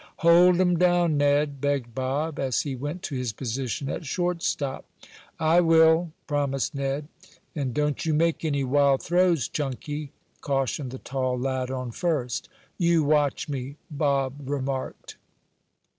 "Hold 'em down, Ned," begged Bob, as he went to his position at shortstop. "I will," promised Ned. "And don't you make any wild throws, Chunky," cautioned the tall lad on first. "You watch me," Bob remarked.